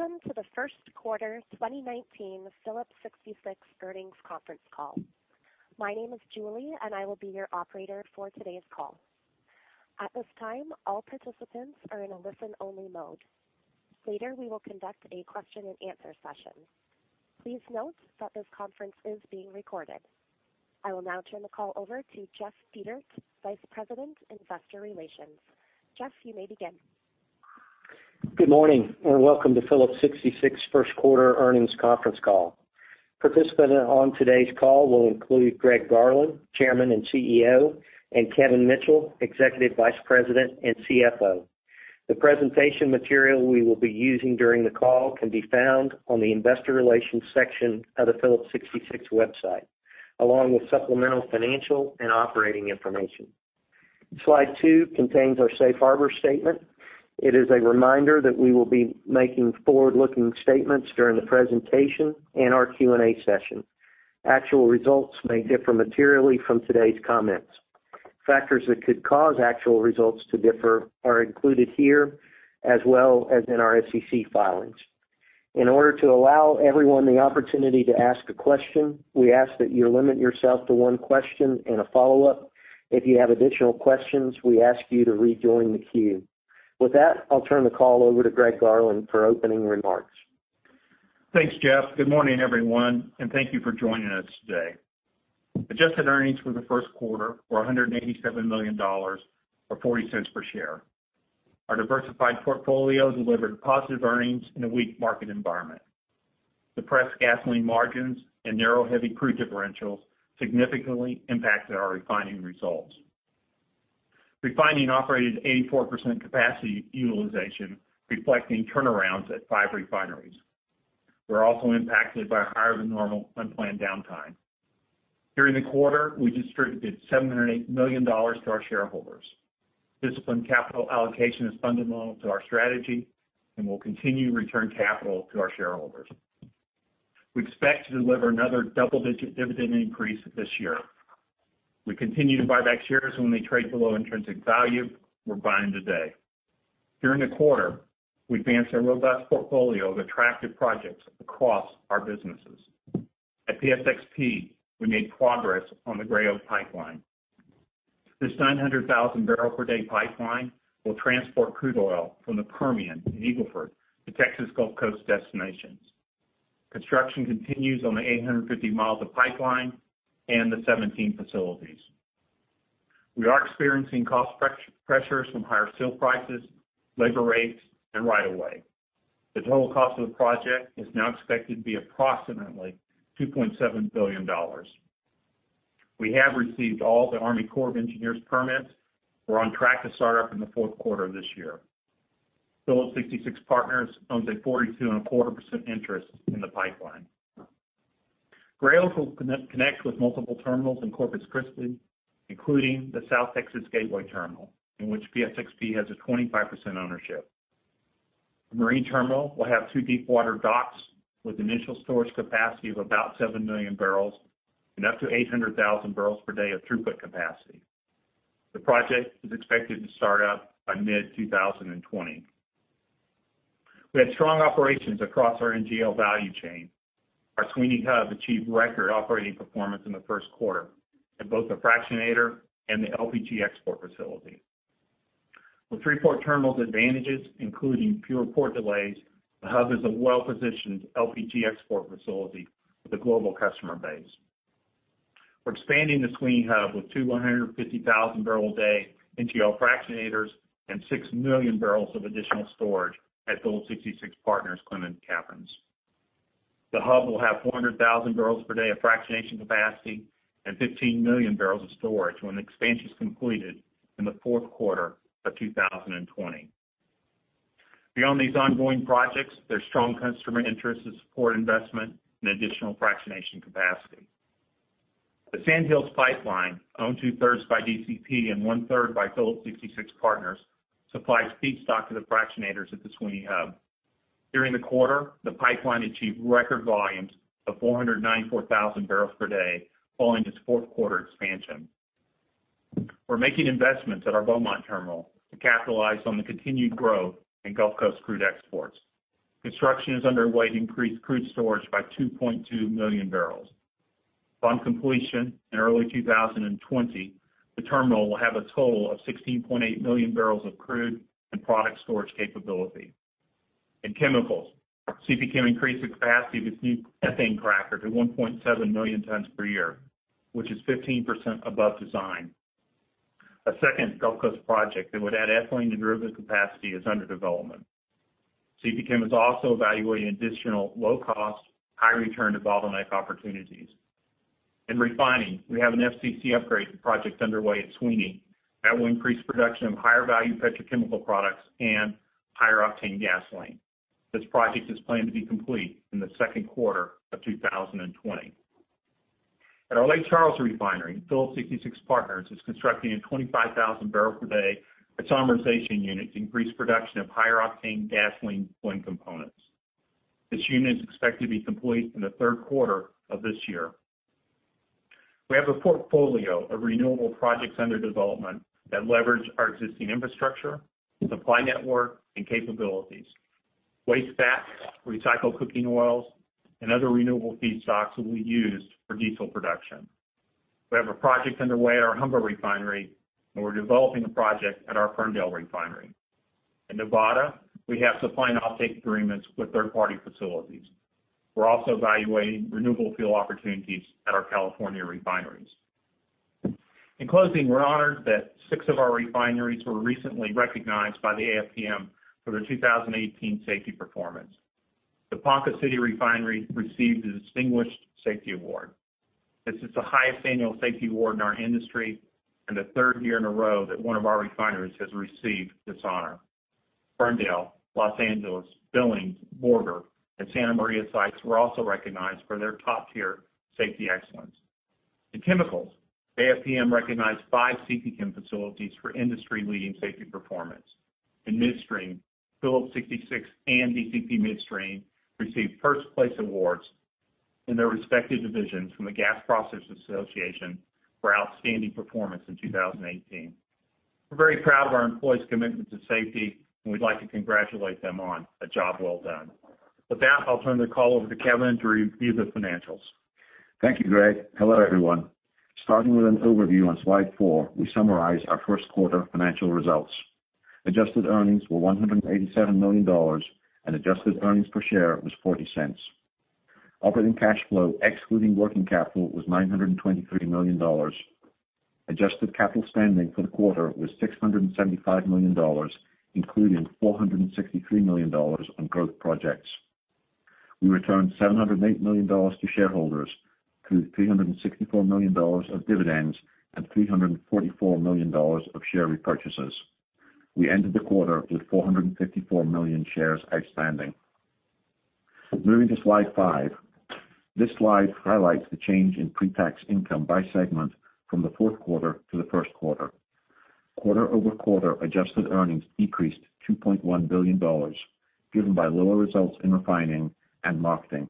Welcome to the first quarter 2019 Phillips 66 earnings conference call. My name is Julie and I will be your operator for today's call. At this time, all participants are in a listen-only mode. Later, we will conduct a question and answer session. Please note that this conference is being recorded. I will now turn the call over to Jeff Dietert, Vice President, Investor Relations. Jeff, you may begin. Good morning, welcome to Phillips 66 first quarter earnings conference call. Participating on today's call will include Greg Garland, Chairman and CEO, and Kevin Mitchell, Executive Vice President and CFO. The presentation material we will be using during the call can be found on the investor relations section of the Phillips 66 website, along with supplemental financial and operating information. Slide two contains our safe harbor statement. It is a reminder that we will be making forward-looking statements during the presentation and our Q&A session. Actual results may differ materially from today's comments. Factors that could cause actual results to differ are included here, as well as in our SEC filings. In order to allow everyone the opportunity to ask a question, we ask that you limit yourself to one question and a follow-up. If you have additional questions, we ask you to rejoin the queue. With that, I'll turn the call over to Greg Garland for opening remarks. Thanks, Jeff. Good morning, everyone, thank you for joining us today. Adjusted earnings for the first quarter were $187 million or $0.40 per share. Our diversified portfolio delivered positive earnings in a weak market environment. Depressed gasoline margins and narrow heavy crude differentials significantly impacted our refining results. Refining operated 84% capacity utilization, reflecting turnarounds at five refineries. We're also impacted by higher than normal unplanned downtime. During the quarter, we distributed $708 million to our shareholders. Disciplined capital allocation is fundamental to our strategy, we'll continue to return capital to our shareholders. We expect to deliver another double-digit dividend increase this year. We continue to buy back shares when they trade below intrinsic value. We're buying today. During the quarter, we advanced our robust portfolio of attractive projects across our businesses. At PSXP, we made progress on the Gray Oak Pipeline. This 900,000-barrel-per-day pipeline will transport crude oil from the Permian in Eagle Ford to Texas Gulf Coast destinations. Construction continues on the 850 miles of pipeline and the 17 facilities. We are experiencing cost pressures from higher steel prices, labor rates, and right of way. The total cost of the project is now expected to be approximately $2.7 billion. We have received all the Army Corps of Engineers permits. We're on track to start up in the fourth quarter of this year. Phillips 66 Partners owns a 42.25% interest in the pipeline. Gray Oak will connect with multiple terminals in Corpus Christi, including the South Texas Gateway Terminal, in which PSXP has a 25% ownership. The marine terminal will have 2 deepwater docks with initial storage capacity of about 7 million barrels and up to 800,000 barrels per day of throughput capacity. The project is expected to start up by mid-2020. We had strong operations across our NGL value chain. Our Sweeney Hub achieved record operating performance in the first quarter at both the fractionator and the LPG export facility. With Freeport Terminal's advantages, including fewer port delays, the hub is a well-positioned LPG export facility with a global customer base. We're expanding the Sweeney Hub with 2 150,000-barrel-a-day NGL fractionators and 6 million barrels of additional storage at Phillips 66 Partners' Clemens Caverns. The hub will have 400,000 barrels per day of fractionation capacity and 15 million barrels of storage when expansion is completed in the fourth quarter of 2020. Beyond these ongoing projects, there's strong customer interest and support investment in additional fractionation capacity. The Sand Hills pipeline, owned two-thirds by DCP and one-third by Phillips 66 Partners, supplies feedstock to the fractionators at the Sweeney Hub. During the quarter, the pipeline achieved record volumes of 494,000 barrels per day following its fourth quarter expansion. We're making investments at our Beaumont terminal to capitalize on the continued growth in Gulf Coast crude exports. Construction is underway to increase crude storage by 2.2 million barrels. Upon completion in early 2020, the terminal will have a total of 16.8 million barrels of crude and product storage capability. In chemicals, CPChem increased the capacity of its new ethane cracker to 1.7 million tons per year, which is 15% above design. A second Gulf Coast project that would add ethylene derivative capacity is under development. CPChem is also evaluating additional low-cost, high return development opportunities. In refining, we have an FCC upgrade project underway at Sweeney that will increase production of higher value petrochemical products and higher octane gasoline. This project is planned to be complete in the second quarter of 2020. At our Lake Charles refinery, Phillips 66 Partners is constructing a 25,000-barrel-per-day isomerization unit to increase production of higher octane gasoline blend components. This unit is expected to be complete in the third quarter of this year. We have a portfolio of renewable projects under development that leverage our existing infrastructure, supply network, and capabilities. Waste fat, recycled cooking oils, and other renewable feedstocks will be used for diesel production. We have a project underway at our Humber refinery, and we're developing a project at our Ferndale refinery. In Nevada, we have supply and offtake agreements with third-party facilities. We're also evaluating renewable fuel opportunities at our California refineries. In closing, we're honored that 6 of our refineries were recently recognized by the AFPM for their 2018 safety performance. The Ponca City refinery received the Distinguished Safety Award. This is the highest annual safety award in our industry and the third year in a row that one of our refineries has received this honor. Ferndale, L.A., Billings, Borger, and Santa Maria sites were also recognized for their top-tier safety excellence. In Chemicals, AFPM recognized five CPChem facilities for industry-leading safety performance. In Midstream, Phillips 66 and DCP Midstream received first-place awards in their respective divisions from the Gas Processors Association for outstanding performance in 2018. We're very proud of our employees' commitment to safety, and we'd like to congratulate them on a job well done. With that, I'll turn the call over to Kevin to review the financials. Thank you, Greg. Hello, everyone. Starting with an overview on slide four, we summarize our first quarter financial results. Adjusted earnings were $187 million, and adjusted earnings per share was $0.40. Operating cash flow, excluding working capital, was $923 million. Adjusted capital spending for the quarter was $675 million, including $463 million on growth projects. We returned $708 million to shareholders through $364 million of dividends and $344 million of share repurchases. We ended the quarter with 454 million shares outstanding. Moving to slide five. This slide highlights the change in pre-tax income by segment from the fourth quarter to the first quarter. Quarter-over-quarter adjusted earnings decreased $2.1 billion, driven by lower results in refining and marketing.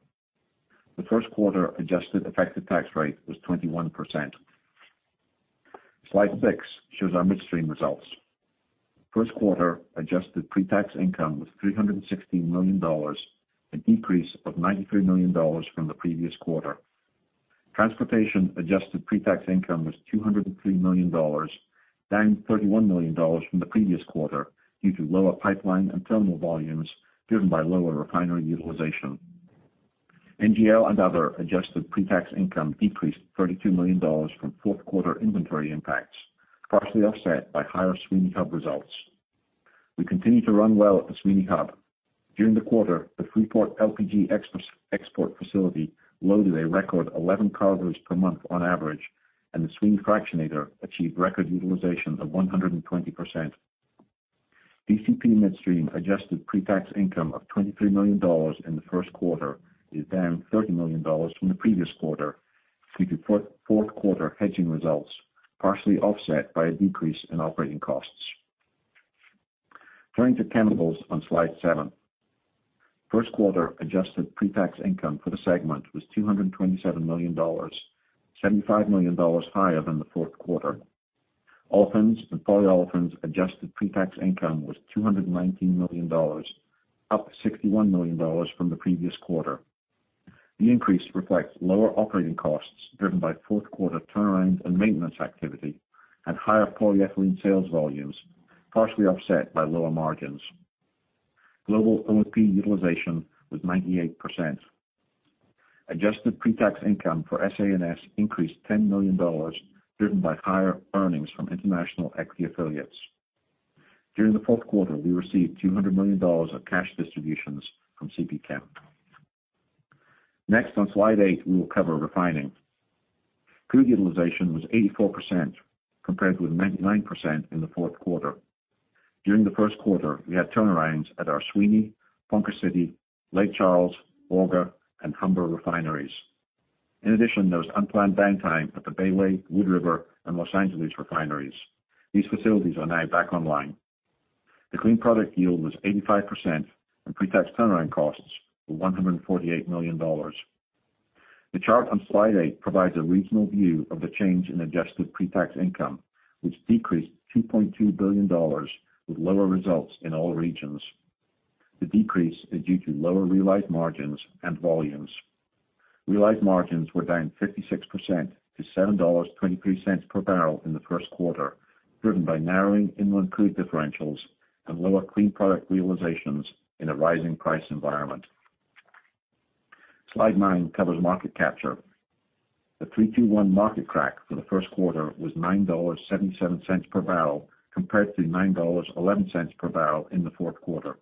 The first quarter adjusted effective tax rate was 21%. Slide six shows our Midstream results. First quarter adjusted pre-tax income was $316 million, a decrease of $93 million from the previous quarter. Transportation adjusted pre-tax income was $203 million, down $31 million from the previous quarter due to lower pipeline and terminal volumes driven by lower refinery utilization. NGL and Other adjusted pre-tax income decreased $32 million from fourth quarter inventory impacts, partially offset by higher Sweeney Hub results. We continue to run well at the Sweeney Hub. During the quarter, the Freeport LPG export facility loaded a record 11 carriers per month on average, and the Sweeney Fractionator achieved record utilization of 120%. DCP Midstream adjusted pre-tax income of $23 million in the first quarter is down $30 million from the previous quarter due to fourth-quarter hedging results, partially offset by a decrease in operating costs. Turning to Chemicals on slide seven. First quarter adjusted pre-tax income for the segment was $227 million, $75 million higher than the fourth quarter. Olefins and Polyolefins adjusted pre-tax income was $219 million, up $61 million from the previous quarter. The increase reflects lower operating costs driven by fourth quarter turnaround and maintenance activity and higher polyethylene sales volumes, partially offset by lower margins. Global O&P utilization was 98%. Adjusted pre-tax income for SA&S increased $10 million, driven by higher earnings from international equity affiliates. During the fourth quarter, we received $200 million of cash distributions from CPChem. Next, on slide eight, we will cover refining. Crude utilization was 84%, compared with 99% in the fourth quarter. During the first quarter, we had turnarounds at our Sweeney, Ponca City, Lake Charles, Borger, and Humber refineries. In addition, there was unplanned downtime at the Bayway, Wood River, and L.A. refineries. These facilities are now back online. The clean product yield was 85%, and pre-tax turnaround costs were $148 million. The chart on slide eight provides a regional view of the change in adjusted pre-tax income, which decreased $2.2 billion with lower results in all regions. The decrease is due to lower realized margins and volumes. Realized margins were down 56% to $7.23 per barrel in the first quarter, driven by narrowing inland crude differentials and lower clean product realizations in a rising price environment. Slide nine covers market capture. The 3-2-1 market crack for the first quarter was $9.77 per barrel, compared to $9.11 per barrel in the fourth quarter.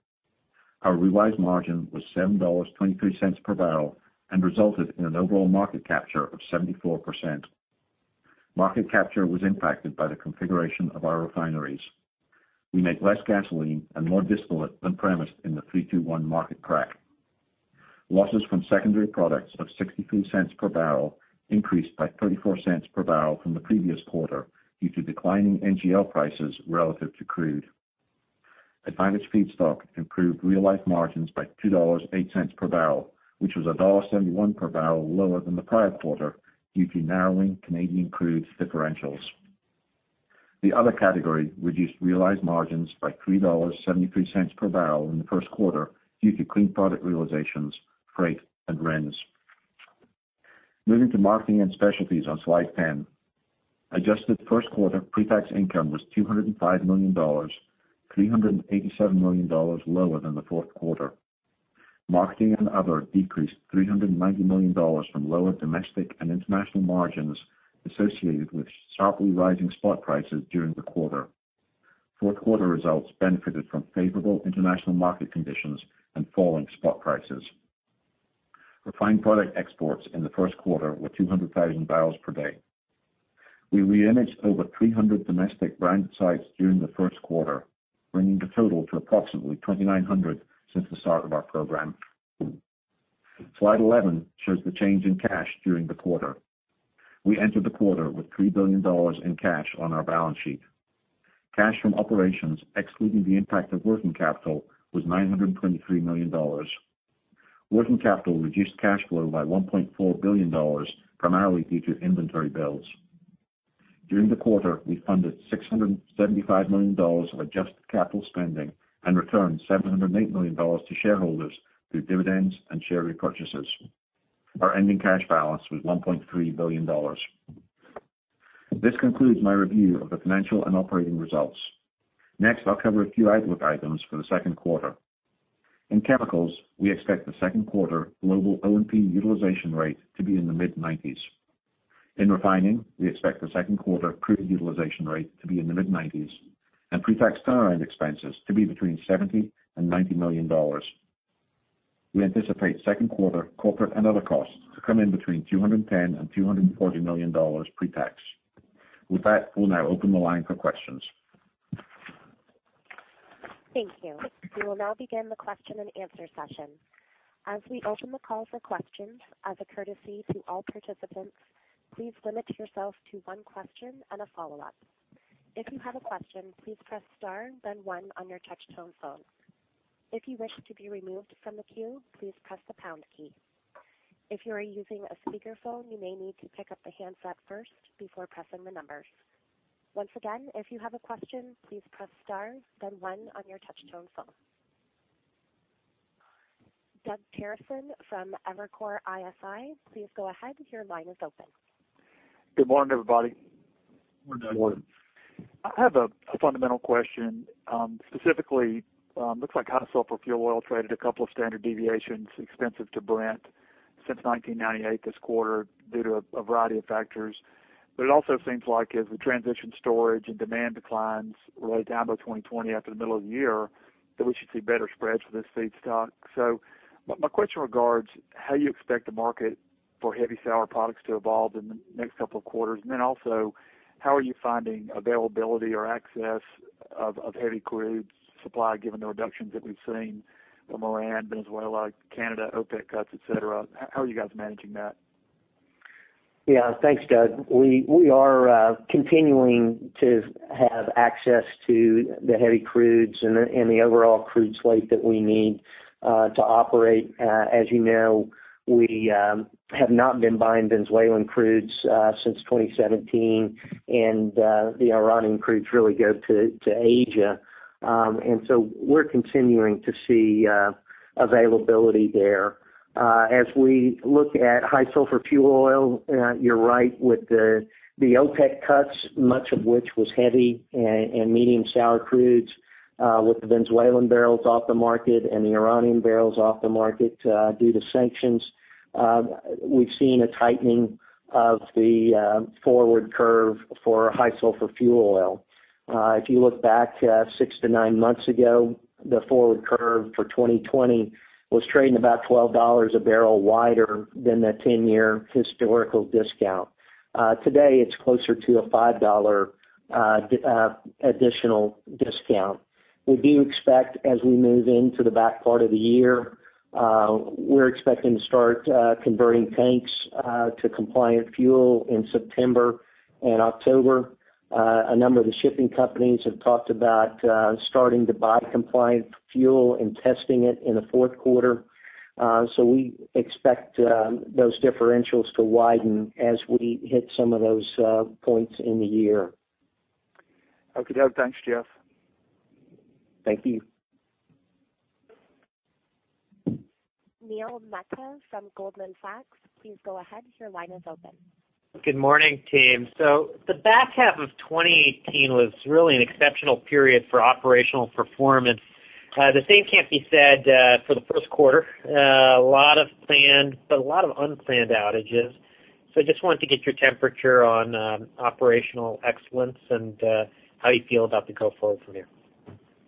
Our realized margin was $7.23 per barrel and resulted in an overall market capture of 74%. Market capture was impacted by the configuration of our refineries. We made less gasoline and more distillate than premised in the 3-2-1 market crack. Losses from secondary products of $0.63 per barrel increased by $0.34 per barrel from the previous quarter due to declining NGL prices relative to crude. Advantage feedstock improved realized margins by $2.08 per barrel, which was $1.71 per barrel lower than the prior quarter due to narrowing Canadian crudes differentials. The other category reduced realized margins by $3.73 per barrel in the first quarter due to clean product realizations, freight, and rents. Moving to Marketing & Specialties on slide 10. Adjusted first quarter pre-tax income was $205 million, $387 million lower than the fourth quarter. Marketing and other decreased $390 million from lower domestic and international margins associated with sharply rising spot prices during the quarter. Fourth quarter results benefited from favorable international market conditions and falling spot prices. Refined product exports in the first quarter were 200,000 barrels per day. We re-imaged over 300 domestic brand sites during the first quarter, bringing the total to approximately 2,900 since the start of our program. Slide 11 shows the change in cash during the quarter. We entered the quarter with $3 billion in cash on our balance sheet. Cash from operations, excluding the impact of working capital, was $923 million. Working capital reduced cash flow by $1.4 billion, primarily due to inventory builds. During the quarter, we funded $675 million of adjusted capital spending and returned $708 million to shareholders through dividends and share repurchases. Our ending cash balance was $1.3 billion. This concludes my review of the financial and operating results. Next, I'll cover a few outlook items for the second quarter. In chemicals, we expect the second quarter global O&P utilization rate to be in the mid-90s. In refining, we expect the second quarter crude utilization rate to be in the mid-90s and pre-tax turnaround expenses to be between $70 million and $90 million. We anticipate second quarter corporate and other costs to come in between $210 million and $240 million pre-tax. With that, we'll now open the line for questions. Thank you. We will now begin the question and answer session. As we open the call for questions, as a courtesy to all participants, please limit yourself to one question and a follow-up. If you have a question, please press star then one on your touch-tone phone. If you wish to be removed from the queue, please press the pound key. If you are using a speakerphone, you may need to pick up the handset first before pressing the numbers. Once again, if you have a question, please press star then one on your touch-tone phone. Doug Terreson from Evercore ISI, please go ahead. Your line is open. Good morning, everybody. Good morning. I have a fundamental question. Specifically, looks like high sulfur fuel oil traded a couple of standard deviations expensive to Brent since 1998 this quarter due to a variety of factors. It also seems like as the transition storage and demand declines lay down by 2020 after the middle of the year, that we should see better spreads for this feedstock. My question regards how you expect the market for heavy sour products to evolve in the next couple of quarters. Also, how are you finding availability or access of heavy crudes supply, given the reductions that we've seen from Iran, Venezuela, Canada, OPEC cuts, et cetera? How are you guys managing that? Yeah. Thanks, Doug. We are continuing to have access to the heavy crudes and the overall crude slate that we need to operate. As you know, we have not been buying Venezuelan crudes since 2017, and the Iranian crudes really go to Asia. We're continuing to see availability there. As we look at high sulfur fuel oil, you're right with the OPEC cuts, much of which was heavy and medium sour crudes, with the Venezuelan barrels off the market and the Iranian barrels off the market due to sanctions. We've seen a tightening of the forward curve for high sulfur fuel oil. If you look back six to nine months ago, the forward curve for 2020 was trading about $12 a barrel wider than the 10-year historical discount. Today, it's closer to a $5 additional discount. We do expect as we move into the back part of the year, we're expecting to start converting tanks to compliant fuel in September and October. A number of the shipping companies have talked about starting to buy compliant fuel and testing it in the fourth quarter. We expect those differentials to widen as we hit some of those points in the year. Okay. Thanks, Jeff. Thank you. Neil Mehta from Goldman Sachs, please go ahead. Your line is open. Good morning, team. The back half of 2018 was really an exceptional period for operational performance. The same can't be said for the first quarter. A lot of planned, but a lot of unplanned outages. I just wanted to get your temperature on operational excellence and how you feel about the go forward from here.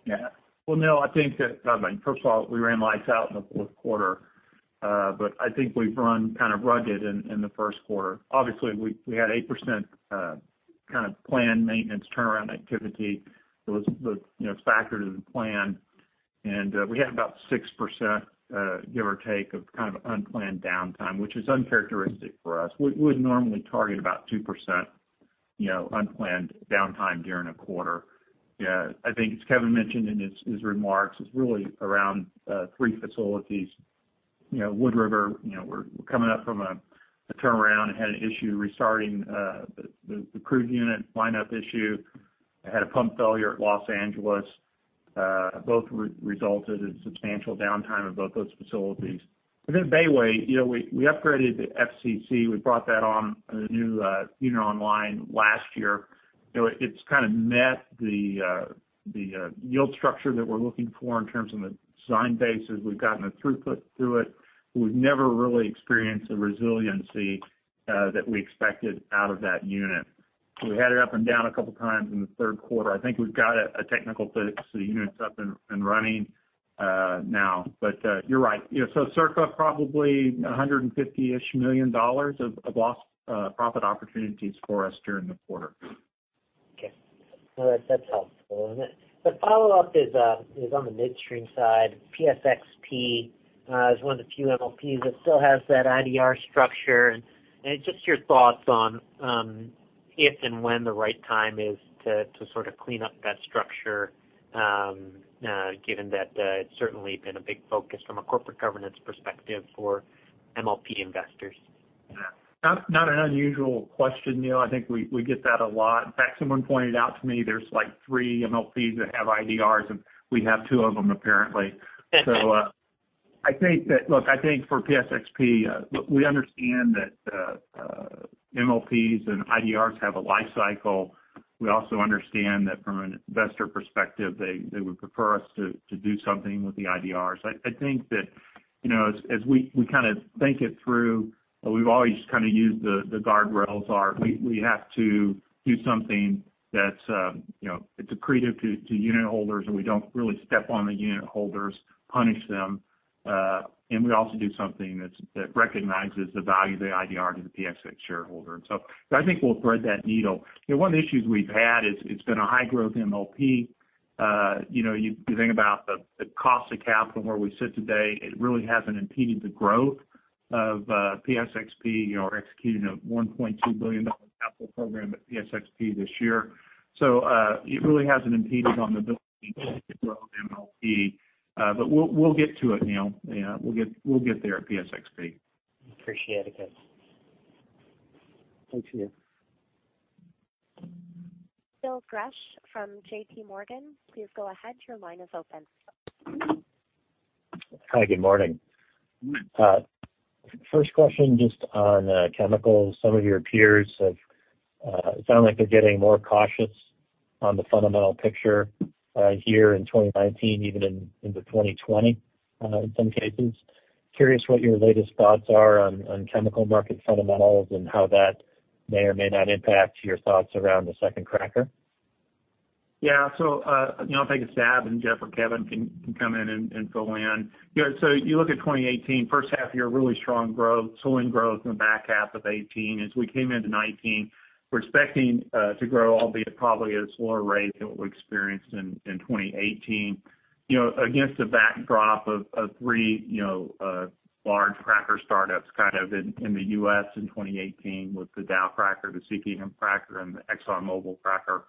Yeah. Well, Neil, I think that, first of all, we ran lights out in the fourth quarter. I think we've run kind of rugged in the first quarter. Obviously, we had 8% kind of planned maintenance turnaround activity that was factored in the plan We had about 6%, give or take, of kind of unplanned downtime, which is uncharacteristic for us. We would normally target about 2% unplanned downtime during a quarter. I think, as Kevin mentioned in his remarks, it's really around three facilities. Wood River, we're coming up from a turnaround, had an issue restarting the crude unit, line-up issue. Had a pump failure at Los Angeles. Both resulted in substantial downtime of both those facilities. Then Bayway, we upgraded the FCC. We brought that on a new unit online last year. It's kind of met the yield structure that we're looking for in terms of the design basis. We've gotten the throughput through it, but we've never really experienced the resiliency that we expected out of that unit. We had it up and down a couple of times in the third quarter. I think we've got it, a technical fix. The unit's up and running now. You're right. Circa probably $150-ish million of lost profit opportunities for us during the quarter. Okay. No, that's helpful, isn't it? The follow-up is on the midstream side. PSXP is one of the few MLPs that still has that IDR structure. Just your thoughts on if and when the right time is to sort of clean up that structure, given that it's certainly been a big focus from a corporate governance perspective for MLP investors. Yeah. Not an unusual question, Neil. I think we get that a lot. In fact, someone pointed out to me there's like three MLPs that have IDRs, and we have two of them, apparently. I think for PSXP, look, we understand that MLPs and IDRs have a life cycle. We also understand that from an investor perspective, they would prefer us to do something with the IDRs. I think that as we kind of think it through, we've always kind of used the guardrails are, we have to do something that's accretive to unit holders and we don't really step on the unit holders, punish them. We also do something that recognizes the value of the IDR to the PSX shareholder. I think we'll thread that needle. One of the issues we've had is it's been a high-growth MLP. You think about the cost of capital and where we sit today, it really hasn't impeded the growth of PSXP. We're executing a $1.2 billion capital program at PSXP this year. It really hasn't impeded on ability to grow the MLP. We'll get to it, Neil. We'll get there at PSXP. Appreciate it, guys. Thanks, Neil. Phil Gresh from JPMorgan, please go ahead. Your line is open. Hi, good morning. First question, just on chemicals. Some of your peers, it sound like they're getting more cautious on the fundamental picture here in 2019, even into 2020, in some cases. Curious what your latest thoughts are on chemical market fundamentals and how that may or may not impact your thoughts around the second cracker. Yeah. I'll take a stab, and Jeff or Kevin can come in and fill in. You look at 2018, first half of the year, really strong growth, slowing growth in the back half of 2018. As we came into 2019, we're expecting to grow, albeit probably at a slower rate than what we experienced in 2018. Against a backdrop of three large cracker startups kind of in the U.S. in 2018 with the Dow cracker, the CPChem cracker, and the ExxonMobil cracker.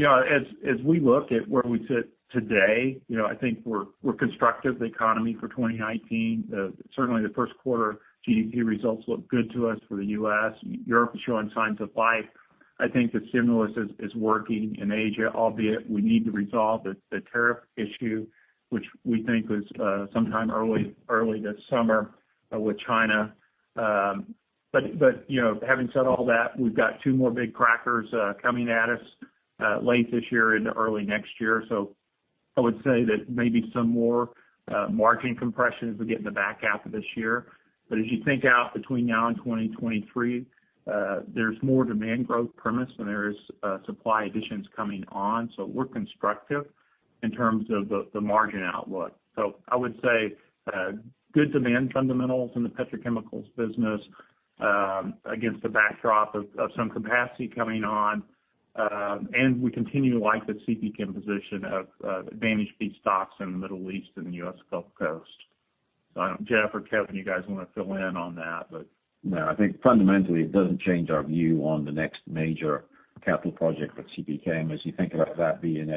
As we look at where we sit today, I think we're constructive of the economy for 2019. Certainly, the first quarter GDP results look good to us for the U.S. Europe is showing signs of life. I think the stimulus is working in Asia, albeit we need to resolve the tariff issue, which we think is sometime early this summer with China. Having said all that, we've got two more big crackers coming at us late this year into early next year. I would say that maybe some more margin compressions we'll get in the back half of this year. As you think out between now and 2023, there's more demand growth premise than there is supply additions coming on. We're constructive in terms of the margin outlook. I would say good demand fundamentals in the petrochemicals business against the backdrop of some capacity coming on. We continue to like the CPChem position of advantaged feedstocks in the Middle East and the U.S. Gulf Coast. I don't know, Jeff or Kevin, you guys want to fill in on that? I think fundamentally, it doesn't change our view on the next major capital project with CPChem. As you think about that being,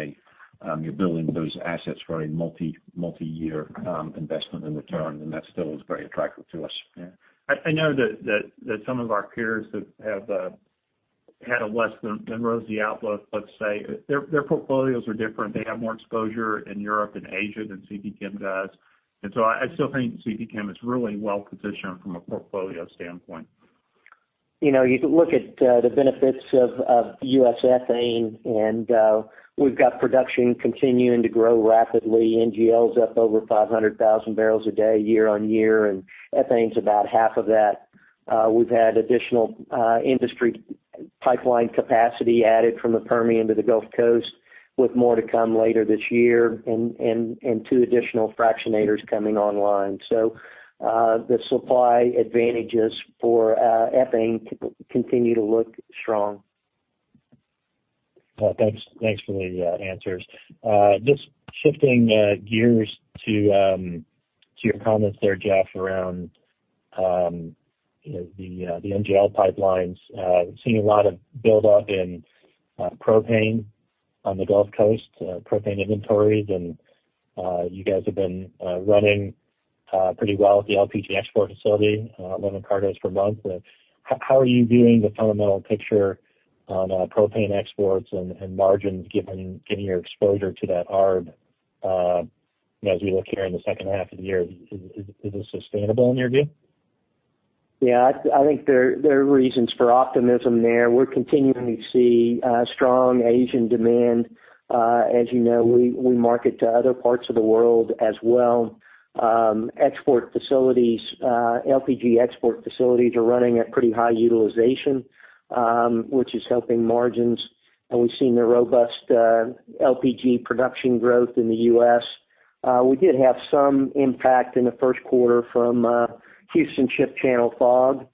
you're building those assets for a multi-year investment in return, and that still is very attractive to us. Yeah. I know that some of our peers have had a less than rosy outlook, let's say. Their portfolios are different. They have more exposure in Europe and Asia than CPChem does. I still think CPChem is really well-positioned from a portfolio standpoint. You could look at the benefits of U.S. ethane, and we've got production continuing to grow rapidly. NGLs up over 500,000 barrels a day year-over-year, and ethane's about half of that. We've had additional industry pipeline capacity added from the Permian to the Gulf Coast, with more to come later this year, and two additional fractionators coming online. The supply advantages for ethane continue to look strong. Thanks for the answers. Just shifting gears to your comments there, Jeff, around the NGL pipelines. We're seeing a lot of build up in propane on the Gulf Coast, propane inventories, and you guys have been running pretty well at the LPG export facility, loading cargoes for months. How are you viewing the fundamental picture on propane exports and margins, given your exposure to that arb, as we look here in the second half of the year? Is this sustainable in your view? I think there are reasons for optimism there. We're continuing to see strong Asian demand. As you know, we market to other parts of the world as well. LPG export facilities are running at pretty high utilization, which is helping margins. We've seen the robust LPG production growth in the U.S. We did have some impact in the first quarter from Houston ship channel fog.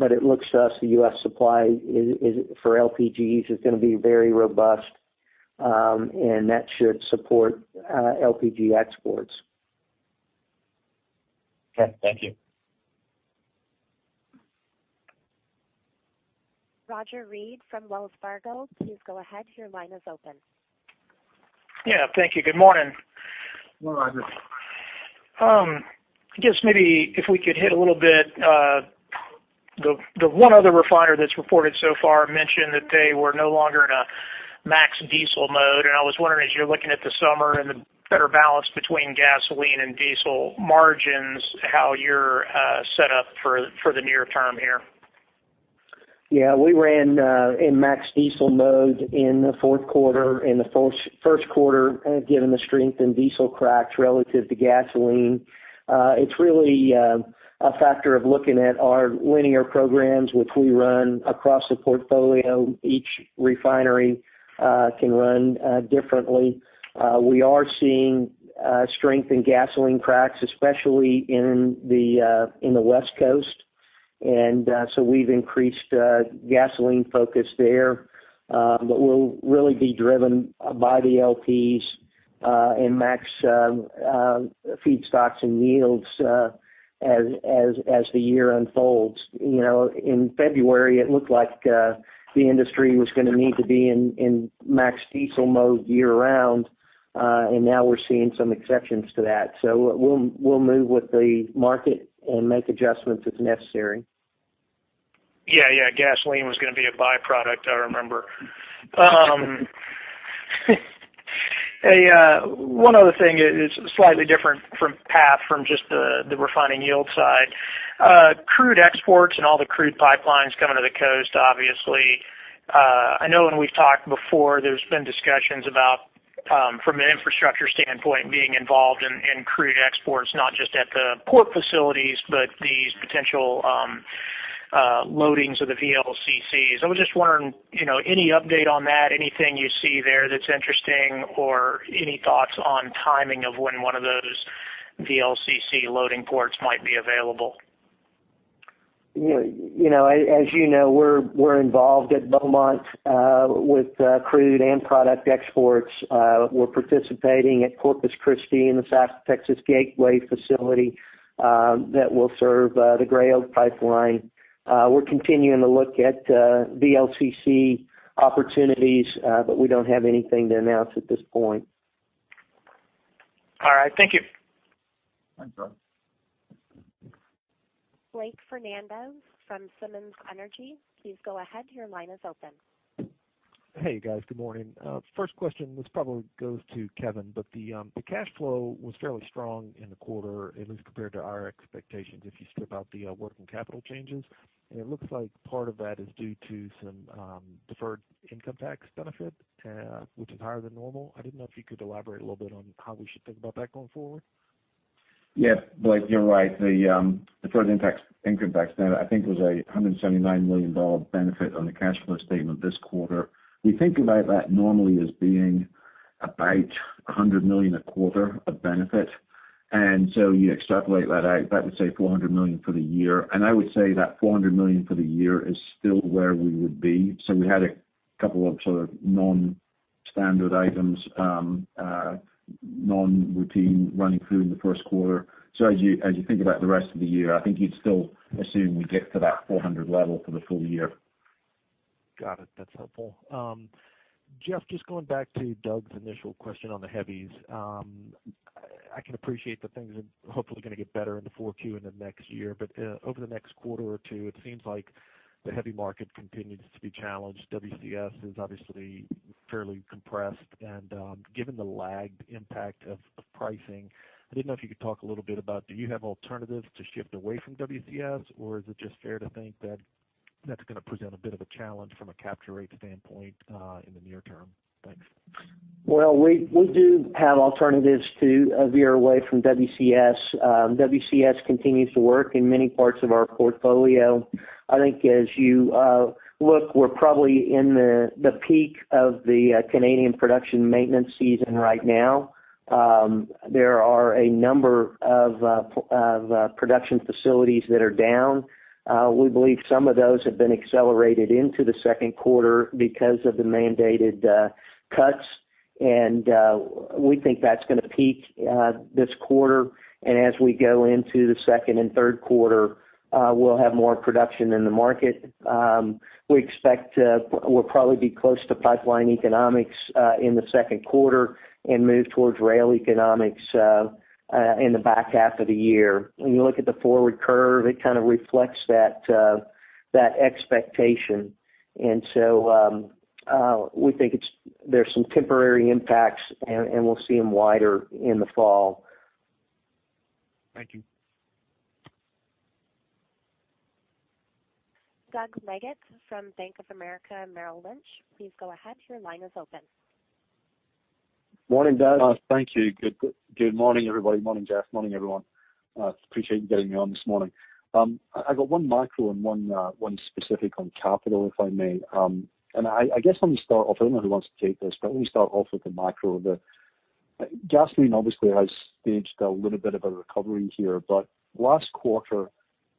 It looks to us the U.S. supply for LPGs is going to be very robust, and that should support LPG exports. Thank you. Roger Read from Wells Fargo, please go ahead. Your line is open. Yeah, thank you. Good morning. Good morning. I guess maybe if we could hit a little bit, the one other refiner that's reported so far mentioned that they were no longer in a max diesel mode, and I was wondering, as you're looking at the summer and the better balance between gasoline and diesel margins, how you're set up for the near term here. We ran in max diesel mode in the fourth quarter and the first quarter, given the strength in diesel cracks relative to gasoline. It's really a factor of looking at our linear programs, which we run across the portfolio. Each refinery can run differently. We are seeing strength in gasoline cracks, especially in the West Coast. We've increased gasoline focus there. We'll really be driven by the LPs and max feedstocks and yields as the year unfolds. In February, it looked like the industry was going to need to be in max diesel mode year round. Now we're seeing some exceptions to that. We'll move with the market and make adjustments if necessary. Gasoline was going to be a byproduct, I remember. One other thing is slightly different from path, from just the refining yield side. Crude exports and all the crude pipelines coming to the coast, obviously. I know when we've talked before, there's been discussions about, from an infrastructure standpoint, being involved in crude exports, not just at the port facilities, but these potential loadings of the VLCCs. I was just wondering, any update on that? Anything you see there that's interesting, or any thoughts on timing of when one of those VLCC loading ports might be available? As you know, we're involved at Beaumont with crude and product exports. We're participating at Corpus Christi in the South Texas Gateway Terminal that will serve the Gray Oak Pipeline. We're continuing to look at VLCC opportunities. We don't have anything to announce at this point. All right. Thank you. Thanks, Roger. Blake Fernandez from Simmons Energy. Please go ahead. Your line is open. Hey, guys. Good morning. First question, this probably goes to Kevin, the cash flow was fairly strong in the quarter, at least compared to our expectations if you strip out the working capital changes. It looks like part of that is due to some deferred income tax benefit, which is higher than normal. I didn't know if you could elaborate a little bit on how we should think about that going forward. Yeah. Blake, you're right. The deferred income tax benefit, I think, was a $179 million benefit on the cash flow statement this quarter. We think about that normally as being about $100 million a quarter of benefit. You extrapolate that out, that would say $400 million for the year. I would say that $400 million for the year is still where we would be. We had a couple of sort of non-standard items, non-routine running through in the first quarter. As you think about the rest of the year, I think you'd still assume we get to that 400 level for the full year. Got it. That's helpful. Jeff, just going back to Doug's initial question on the heavies. I can appreciate that things are hopefully going to get better in the 4Q and then next year. Over the next quarter or two, it seems like the heavy market continues to be challenged. WCS is obviously fairly compressed and given the lagged impact of pricing, I didn't know if you could talk a little bit about, do you have alternatives to shift away from WCS, or is it just fair to think that that's going to present a bit of a challenge from a capture rate standpoint in the near term? Thanks. Well, we do have alternatives to veer away from WCS. WCS continues to work in many parts of our portfolio. I think as you look, we're probably in the peak of the Canadian production maintenance season right now. There are a number of production facilities that are down. We believe some of those have been accelerated into the second quarter because of the mandated cuts. We think that's going to peak this quarter. As we go into the second and third quarter, we'll have more production in the market. We expect we'll probably be close to pipeline economics in the second quarter and move towards rail economics in the back half of the year. When you look at the forward curve, it kind of reflects that expectation. So we think there's some temporary impacts, and we'll see them wider in the fall. Thank you. Doug Leggate from Bank of America Merrill Lynch. Please go ahead. Your line is open. Morning, Doug. Thank you. Good morning, everybody. Morning, Jeff. Morning, everyone. Appreciate you getting me on this morning. I got one micro and one specific on capital, if I may. I guess let me start off, I don't know who wants to take this, but let me start off with the micro. Gasoline obviously has staged a little bit of a recovery here. Last quarter,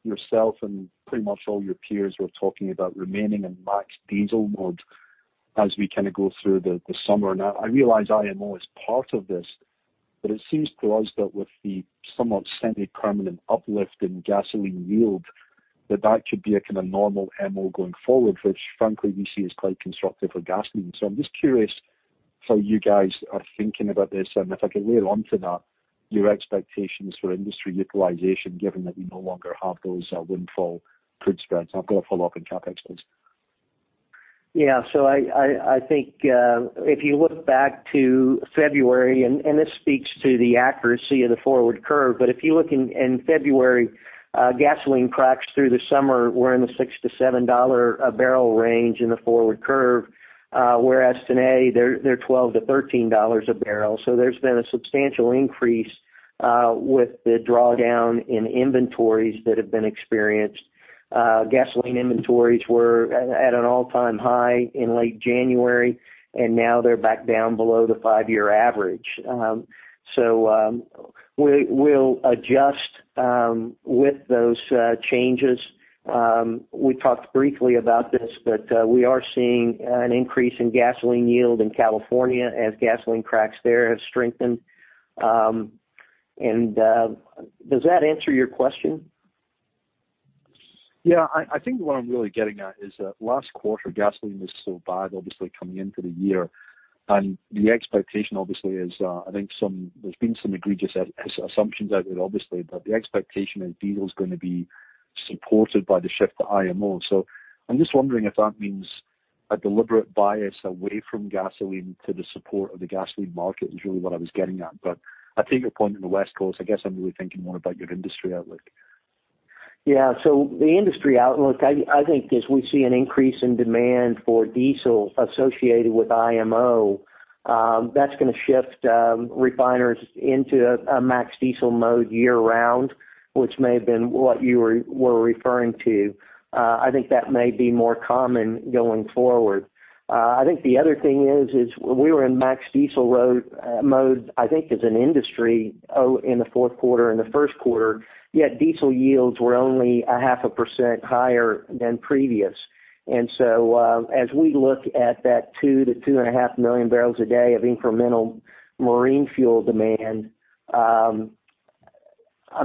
yourself and pretty much all your peers were talking about remaining in max diesel mode as we kind of go through the summer. I realize IMO is part of this. It seems to us that with the somewhat semi-permanent uplift in gasoline yield, that that could be a kind of normal MO going forward, which frankly we see as quite constructive for gasoline. I'm just curious how you guys are thinking about this. If I could layer onto that, your expectations for industry utilization, given that we no longer have those windfall crude spreads. I've got a follow-up on CapEx. I think if you look back to February, this speaks to the accuracy of the forward curve. If you look in February, gasoline cracks through the summer were in the $6-$7 a barrel range in the forward curve. Whereas today, they're $12-$13 a barrel. There's been a substantial increase with the drawdown in inventories that have been experienced. Gasoline inventories were at an all-time high in late January, and now they're back down below the five-year average. We'll adjust with those changes. We talked briefly about this. We are seeing an increase in gasoline yield in California as gasoline cracks there have strengthened. Does that answer your question? Yeah. I think what I'm really getting at is that last quarter, gasoline was so bad, obviously coming into the year. The expectation obviously is, I think there's been some egregious assumptions out there obviously, but the expectation is diesel is going to be supported by the shift to IMO. I'm just wondering if that means a deliberate bias away from gasoline to the support of the gasoline market, is really what I was getting at. I take your point on the West Coast. I guess I'm really thinking more about your industry outlook. Yeah. The industry outlook, I think as we see an increase in demand for diesel associated with IMO, that's going to shift refiners into a max diesel mode year-round, which may have been what you were referring to. I think that may be more common going forward. I think the other thing is, we were in max diesel mode, I think as an industry, in the fourth quarter and the first quarter, yet diesel yields were only 0.5% higher than previous. As we look at that 2 million barrels a day-2.5 million barrels a day of incremental marine fuel demand, I'm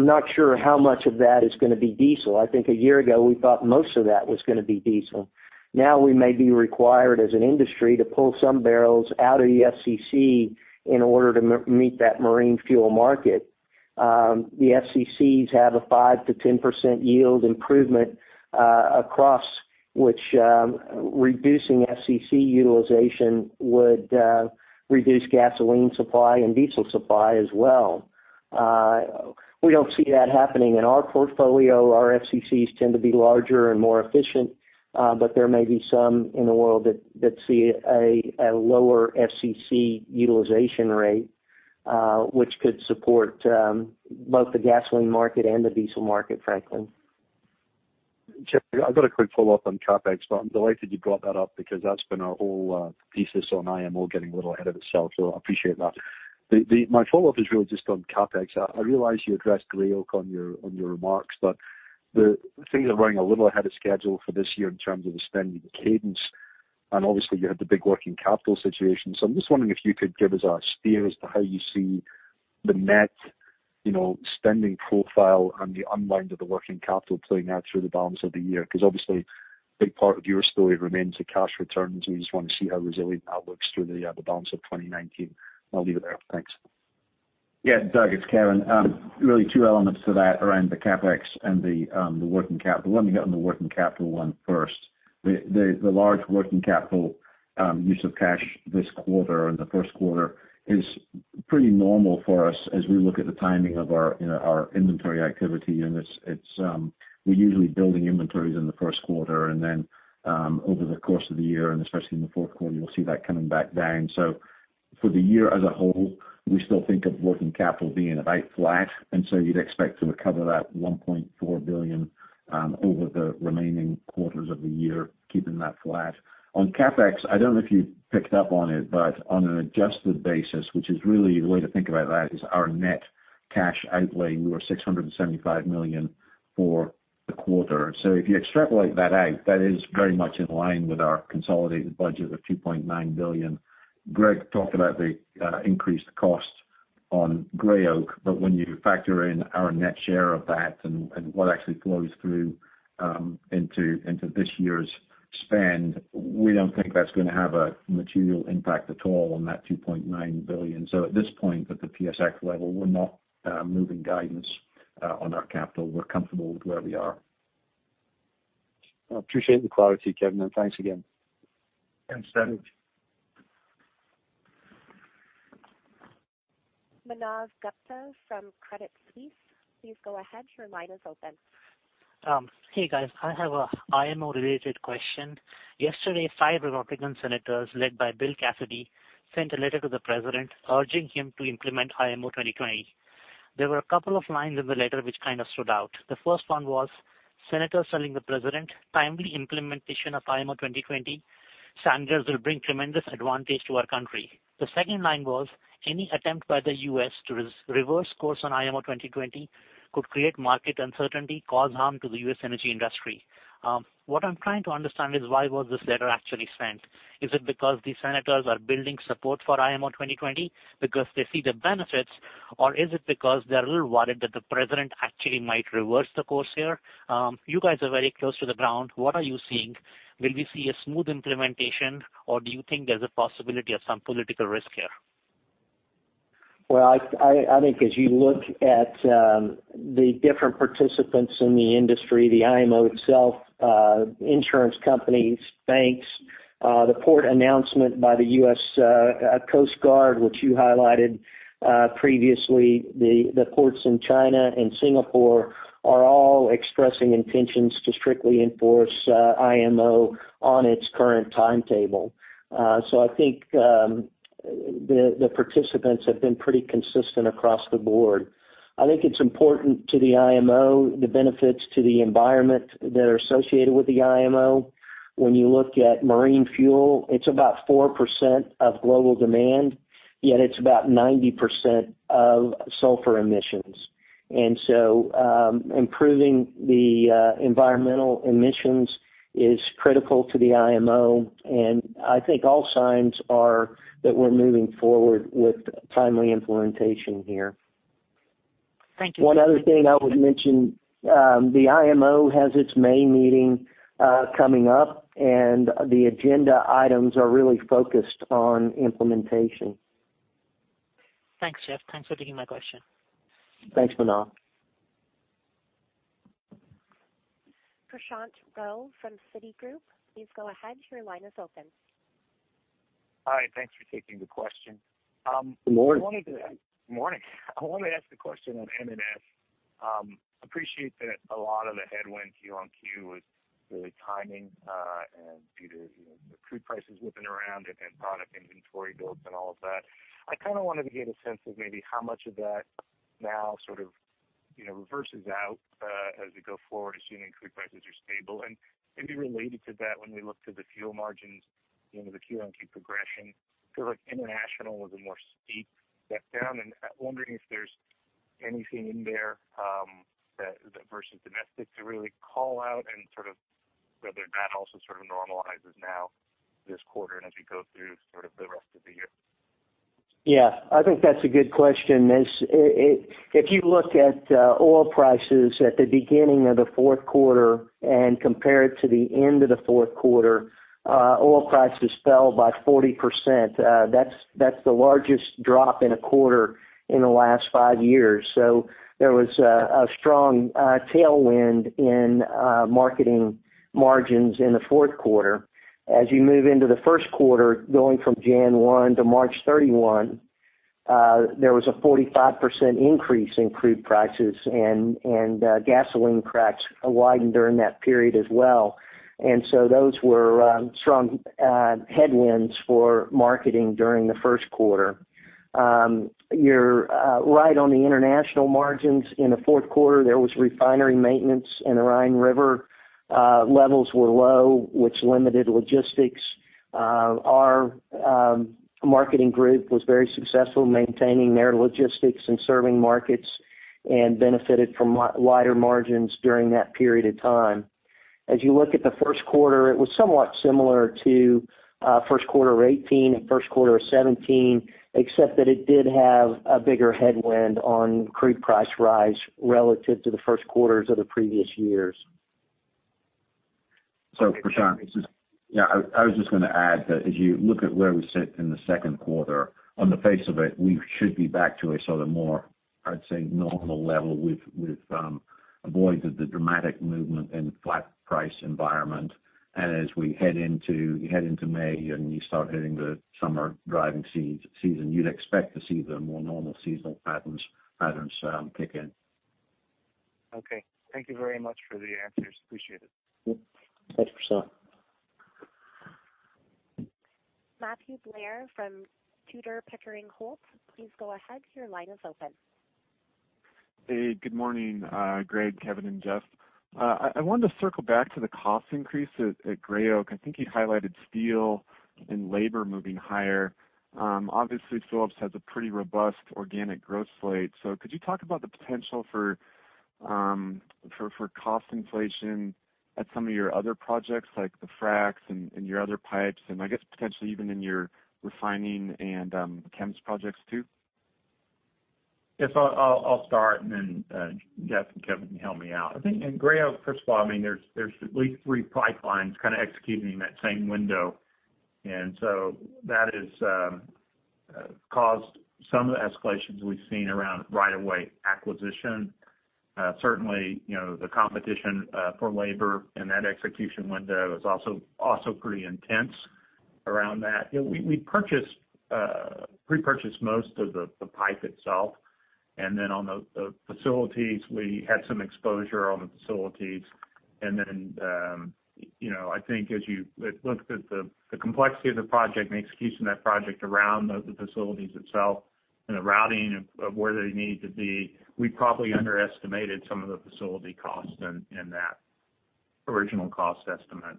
not sure how much of that is going to be diesel. I think a year ago we thought most of that was going to be diesel. We may be required as an industry to pull some barrels out of the FCC in order to meet that marine fuel market. The FCCs have a 5%-10% yield improvement across, which reducing FCC utilization would reduce gasoline supply and diesel supply as well. We don't see that happening in our portfolio. Our FCCs tend to be larger and more efficient. There may be some in the world that see a lower FCC utilization rate, which could support both the gasoline market and the diesel market, frankly. Jeff, I've got a quick follow-up on CapEx. I'm delighted you brought that up because that's been our whole thesis on IMO getting a little ahead of itself. I appreciate that. My follow-up is really just on CapEx. I realize you addressed Gray Oak on your remarks. Things are running a little ahead of schedule for this year in terms of the spending cadence. Obviously you had the big working capital situation. I'm just wondering if you could give us a steer as to how you see the net spending profile and the unwind of the working capital playing out through the balance of the year. Obviously, a big part of your story remains the cash returns. We just want to see how resilient that looks through the balance of 2019. I'll leave it there. Thanks. Doug, it's Kevin. Really two elements to that around the CapEx and the working capital. Let me get on the working capital one first. The large working capital use of cash this quarter and the first quarter is pretty normal for us as we look at the timing of our inventory activity, and we're usually building inventories in the first quarter. Over the course of the year, and especially in the fourth quarter, you'll see that coming back down. For the year as a whole, we still think of working capital being about flat, and so you'd expect to recover that $1.4 billion over the remaining quarters of the year, keeping that flat. On CapEx, I don't know if you picked up on it, but on an adjusted basis, which is really the way to think about that, is our net cash outlay. We were $675 million for the quarter. If you extrapolate that out, that is very much in line with our consolidated budget of $2.9 billion. Greg talked about the increased cost on Gray Oak, but when you factor in our net share of that and what actually flows through into this year's spend, we don't think that's going to have a material impact at all on that $2.9 billion. At this point, at the PSX level, we're not moving guidance on our capital. We're comfortable with where we are. I appreciate the clarity, Kevin, and thanks again. Thanks, Doug. Manav Gupta from Credit Suisse, please go ahead. Your line is open. Hey, guys. I have an IMO-related question. Yesterday, five Republican senators led by Bill Cassidy sent a letter to the president urging him to implement IMO 2020. There were a couple of lines in the letter which kind of stood out. The first one was, "Senators telling the president timely implementation of IMO 2020 standards will bring tremendous advantage to our country." The second line was, "Any attempt by the U.S. to reverse course on IMO 2020 could create market uncertainty, cause harm to the U.S. energy industry." What I'm trying to understand is why was this letter actually sent? Is it because the senators are building support for IMO 2020 because they see the benefits, or is it because they're a little worried that the president actually might reverse the course here? You guys are very close to the ground. What are you seeing? Will we see a smooth implementation, or do you think there's a possibility of some political risk here? Well, I think as you look at the different participants in the industry, the IMO itself, insurance companies, banks, the port announcement by the U.S. Coast Guard, which you highlighted previously, the ports in China and Singapore are all expressing intentions to strictly enforce IMO on its current timetable. I think the participants have been pretty consistent across the board. I think it's important to the IMO, the benefits to the environment that are associated with the IMO. When you look at marine fuel, it's about 4% of global demand, yet it's about 90% of sulfur emissions. Improving the environmental emissions is critical to the IMO, and I think all signs are that we're moving forward with timely implementation here. Thank you. One other thing I would mention, the IMO has its May meeting coming up, and the agenda items are really focused on implementation. Thanks, Jeff. Thanks for taking my question. Thanks, Manav. Prashant Rao from Citigroup, please go ahead. Your line is open. Hi, thanks for taking the question. Morning. Morning. I want to ask a question on M&S. Appreciate that a lot of the headwinds Q on Q is really timing, due to the crude prices whipping around and then product inventory builds and all of that. I kind of wanted to get a sense of maybe how much of that now sort of reverses out as we go forward, assuming crude prices are stable. Maybe related to that, when we look to the fuel margins, the Q on Q progression, feel like international was a more steep step down, and wondering if there's anything in there that versus domestic to really call out and sort of whether that also normalizes now this quarter and as we go through the rest of the year. Yeah, I think that's a good question. If you look at oil prices at the beginning of the fourth quarter and compare it to the end of the fourth quarter, oil prices fell by 40%. That's the largest drop in a quarter in the last five years. There was a strong tailwind in marketing margins in the fourth quarter. As you move into the first quarter, going from January 1 to March 31, there was a 45% increase in crude prices and gasoline cracks widened during that period as well. Those were strong headwinds for marketing during the first quarter. You're right on the international margins. In the fourth quarter, there was refinery maintenance in the Rhine River. Levels were low, which limited logistics. Our marketing group was very successful maintaining their logistics and serving markets and benefited from wider margins during that period of time. As you look at the first quarter, it was somewhat similar to first quarter of 2018 and first quarter of 2017, except that it did have a bigger headwind on crude price rise relative to the first quarters of the previous years. Prashant, I was just going to add that as you look at where we sit in the second quarter, on the face of it, we should be back to a sort of more, I'd say, normal level. We've avoided the dramatic movement in flat price environment. As we head into May and you start hitting the summer driving season, you'd expect to see the more normal seasonal patterns kick in. Okay. Thank you very much for the answers. Appreciate it. Yep. Thanks, Prashant. Matthew Blair from Tudor, Pickering, Holt, please go ahead. Your line is open. Hey, good morning, Greg, Kevin, and Jeff. I wanted to circle back to the cost increase at Gray Oak. I think you highlighted steel and labor moving higher. Obviously, Phillips has a pretty robust organic growth slate. Could you talk about the potential for cost inflation at some of your other projects, like the fracs and your other pipes, and I guess potentially even in your refining and chem projects too? Yes. I'll start and then Jeff and Kevin can help me out. I think in Gray Oak, first of all, there's at least three pipelines kind of executing in that same window. That has caused some of the escalations we've seen around right of way acquisition. Certainly, the competition for labor in that execution window is also pretty intense around that. We pre-purchased most of the pipe itself. Then on the facilities, we had some exposure on the facilities. Then, I think as you look at the complexity of the project and the execution of that project around the facilities itself and the routing of where they need to be, we probably underestimated some of the facility costs in that original cost estimate.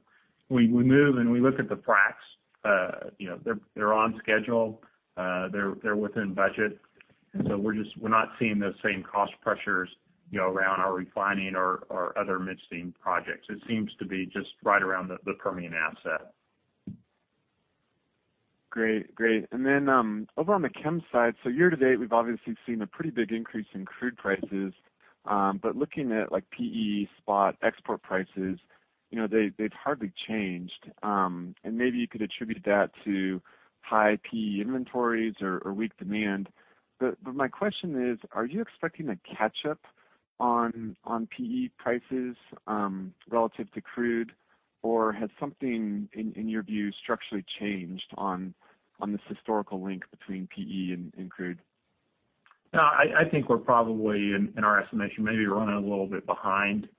We move and we look at the fracs. They're on schedule. They're within budget. We're not seeing those same cost pressures around our refining or other midstream projects. It seems to be just right around the Permian asset. Great. Over on the chem side, year to date, we've obviously seen a pretty big increase in crude prices. Looking at PE spot export prices, they've hardly changed. Maybe you could attribute that to high PE inventories or weak demand. My question is, are you expecting a catch-up on PE prices relative to crude, or has something, in your view, structurally changed on this historical link between PE and crude? I think we're probably, in our estimation, maybe running a little bit behind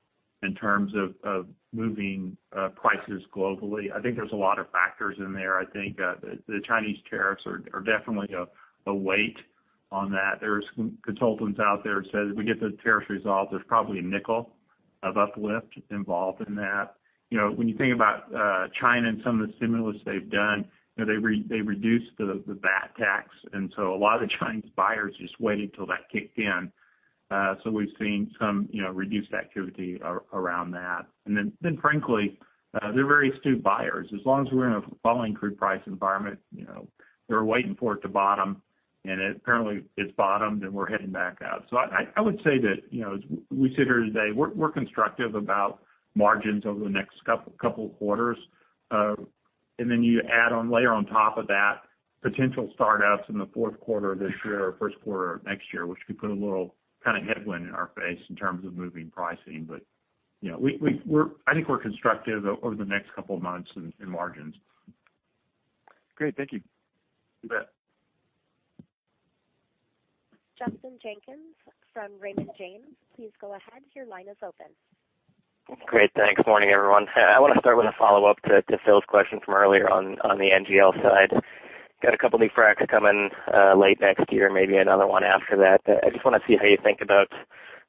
in terms of moving prices globally. I think there's a lot of factors in there. I think the Chinese tariffs are definitely a weight on that. There are some consultants out there that say if we get those tariffs resolved, there's probably a nickel of uplift involved in that. When you think about China and some of the stimulus they've done, they reduced the VAT tax, a lot of the Chinese buyers just waited till that kicked in. We've seen some reduced activity around that. Frankly, they're very astute buyers. As long as we're in a falling crude price environment, they were waiting for it to bottom, and it apparently has bottomed and we're heading back up. I would say that as we sit here today, we're constructive about margins over the next couple of quarters. You add on layer on top of that potential startups in the fourth quarter of this year or first quarter of next year, which could put a little kind of headwind in our face in terms of moving pricing. I think we're constructive over the next couple of months in margins. Great. Thank you. You bet. Justin Jenkins from Raymond James, please go ahead. Your line is open. Great. Thanks. Morning, everyone. I want to start with a follow-up to Phil's question from earlier on the NGL side. Got a couple new fracs coming late next year, maybe another one after that. I just want to see how you think about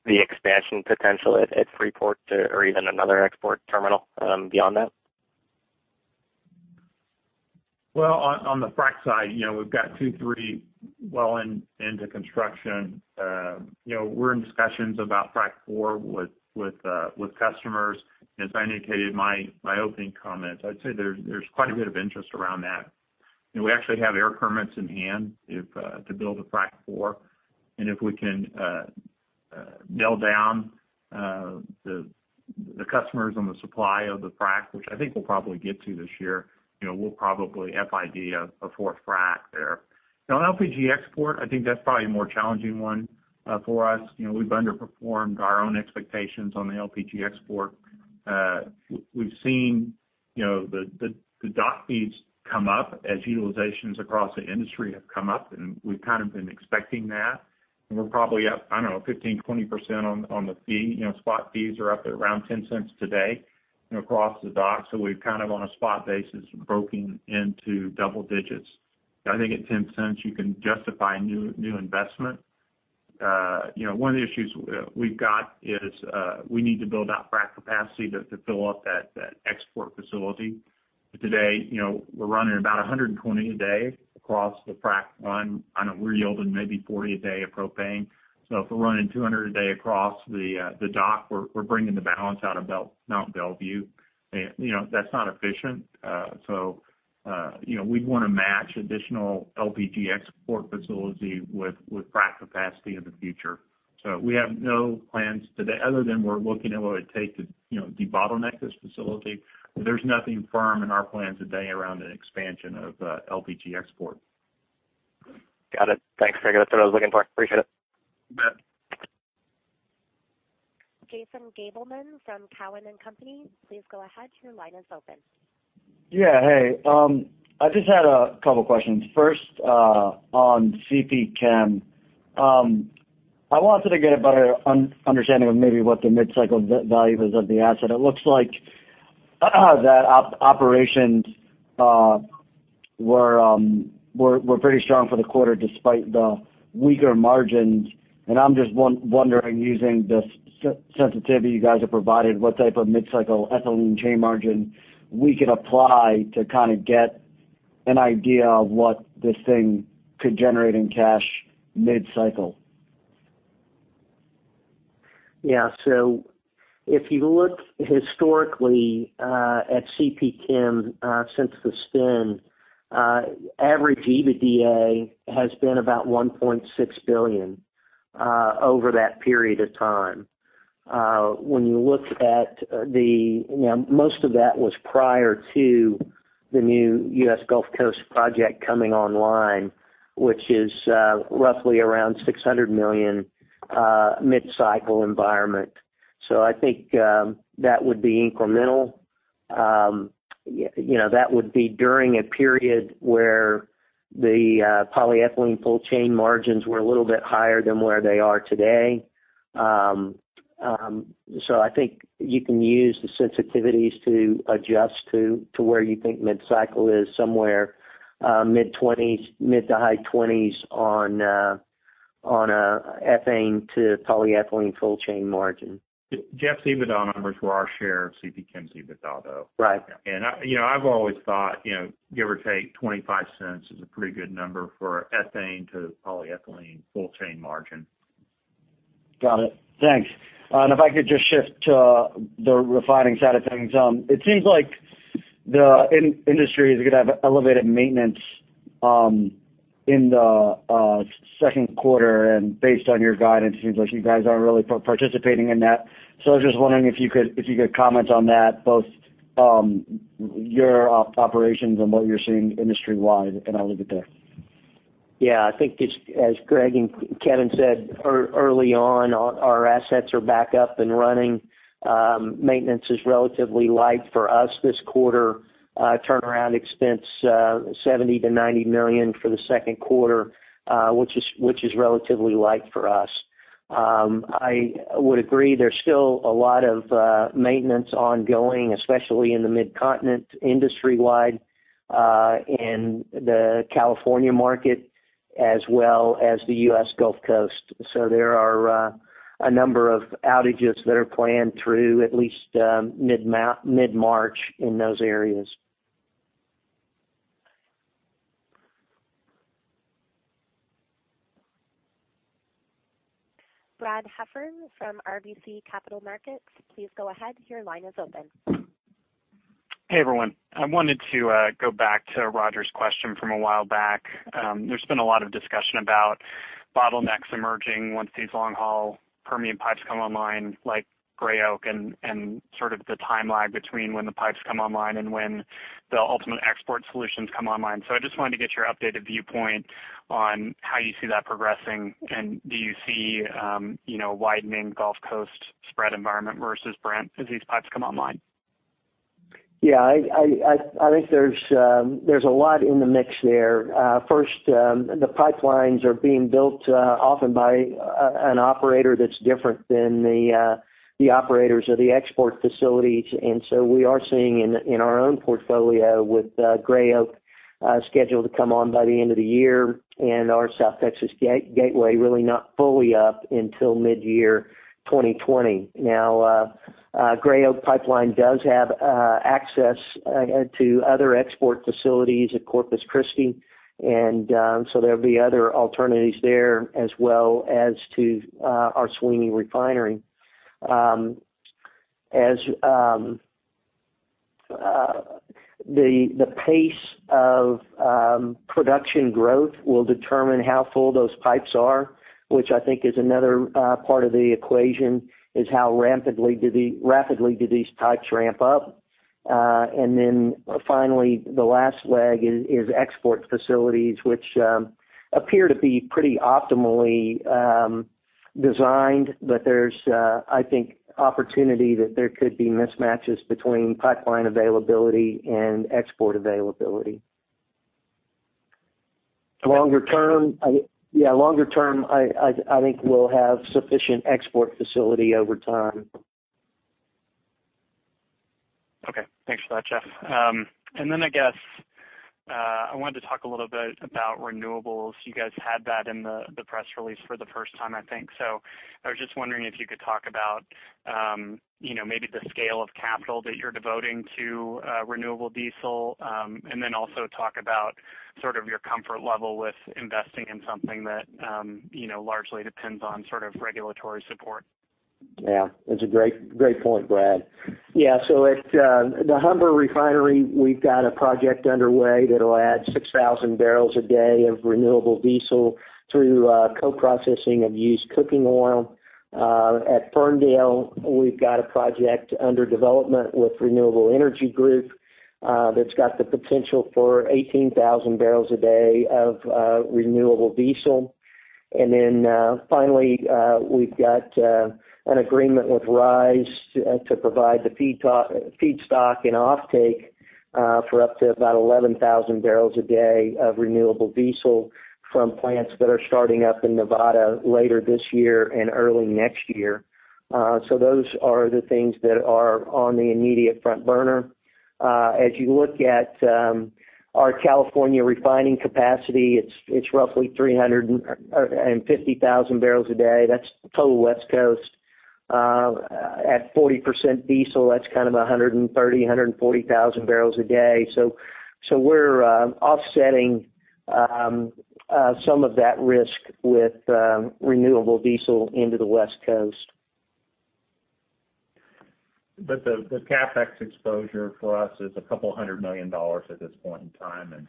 the expansion potential at Freeport or even another export terminal beyond that. Well, on the frac side, we've got two, three well into construction. We're in discussions about frac 4 with customers. As I indicated in my opening comments, I'd say there's quite a bit of interest around that. We actually have air permits in hand to build a frac 4. If we can nail down the customers on the supply of the frac, which I think we'll probably get to this year, we'll probably FID a fourth frac there. An LPG export, I think that's probably a more challenging one for us. We've underperformed our own expectations on the LPG export. We've seen the dock fees come up as utilizations across the industry have come up, and we've kind of been expecting that. We're probably up, I don't know, 15%-20% on the fee. Spot fees are up at around $0.10 today across the dock. We've kind of on a spot basis broken into double digits. I think at $0.10 you can justify new investment. One of the issues we've got is we need to build out frac capacity to fill up that export facility. Today, we're running about 120 a day across the frac 1. I know we're yielding maybe 40 a day of propane. If we're running 200 a day across the dock, we're bringing the balance out of Mont Belvieu. That's not efficient. We'd want to match additional LPG export facility with frac capacity in the future. We have no plans today other than we're looking at what it would take to debottleneck this facility. There's nothing firm in our plans today around an expansion of LPG export. Got it. Thanks, Greg. That's what I was looking for. Appreciate it. You bet. Jason Gabelman from Cowen and Company. Please go ahead. Your line is open. Yeah. Hey. I just had a couple questions. First, on CPChem. I wanted to get a better understanding of maybe what the mid-cycle value is of the asset. It looks like the operations were pretty strong for the quarter despite the weaker margins. I'm just wondering, using the sensitivity you guys have provided, what type of mid-cycle ethylene chain margin we could apply to get an idea of what this thing could generate in cash mid-cycle? Yeah. If you look historically at CPChem since the spin, average EBITDA has been about $1.6 billion over that period of time. Most of that was prior to the new U.S. Gulf Coast project coming online, which is roughly around $600 million mid-cycle environment. I think that would be incremental. That would be during a period where the polyethylene full chain margins were a little bit higher than where they are today. I think you can use the sensitivities to adjust to where you think mid-cycle is, somewhere mid to high twenties on ethane to polyethylene full chain margin. Jeff's EBITDA numbers were our share of CPChem's EBITDA, though. Right. I've always thought, give or take $0.25 is a pretty good number for ethane to polyethylene full chain margin. Got it. Thanks. If I could just shift to the refining side of things. It seems like the industry is going to have elevated maintenance in the second quarter, and based on your guidance, it seems like you guys aren't really participating in that. I was just wondering if you could comment on that, both your operations and what you're seeing industry-wide, and I'll leave it there. I think as Greg and Kevin said early on, our assets are back up and running. Maintenance is relatively light for us this quarter. Turnaround expense, $70 million-$90 million for the second quarter, which is relatively light for us. I would agree, there's still a lot of maintenance ongoing, especially in the Mid-Continent, industry-wide, in the California market, as well as the U.S. Gulf Coast. There are a number of outages that are planned through at least mid-March in those areas. Brad Heffern from RBC Capital Markets, please go ahead. Your line is open. Hey, everyone. I wanted to go back to Roger's question from a while back. There's been a lot of discussion about bottlenecks emerging once these long-haul Permian pipes come online, like Gray Oak, and sort of the timeline between when the pipes come online and when the ultimate export solutions come online. I just wanted to get your updated viewpoint on how you see that progressing, and do you see a widening Gulf Coast spread environment versus Brent as these pipes come online? Yeah, I think there's a lot in the mix there. First, the pipelines are being built often by an operator that's different than the operators of the export facilities. So we are seeing in our own portfolio with Gray Oak scheduled to come on by the end of the year, and our South Texas Gateway really not fully up until mid-year 2020. Gray Oak Pipeline does have access to other export facilities at Corpus Christi. So there'll be other alternatives there as well as to our Sweeney refinery. The pace of production growth will determine how full those pipes are, which I think is another part of the equation, is how rapidly do these pipes ramp up. Finally, the last leg is export facilities, which appear to be pretty optimally designed, but there's I think opportunity that there could be mismatches between pipeline availability and export availability. Longer term, I think we'll have sufficient export facility over time. Okay. Thanks for that, Jeff. I guess I wanted to talk a little bit about renewables. You guys had that in the press release for the first time, I think. I was just wondering if you could talk about maybe the scale of capital that you're devoting to renewable diesel, and then also talk about sort of your comfort level with investing in something that largely depends on regulatory support. Yeah. It's a great point, Brad. At the Humber refinery, we've got a project underway that'll add 6,000 barrels a day of renewable diesel through co-processing of used cooking oil. At Ferndale, we've got a project under development with Renewable Energy Group that's got the potential for 18,000 barrels a day of renewable diesel. Finally, we've got an agreement with Ryze to provide the feedstock and offtake for up to about 11,000 barrels a day of renewable diesel from plants that are starting up in Nevada later this year and early next year. Those are the things that are on the immediate front burner. As you look at our California refining capacity, it's roughly 350,000 barrels a day. That's total West Coast. At 40% diesel, that's kind of 130,000, 140,000 barrels a day. We're offsetting some of that risk with renewable diesel into the West Coast. The CapEx exposure for us is a couple hundred million dollars at this point in time,